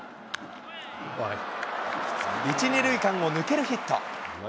１、２塁間を抜けるヒット。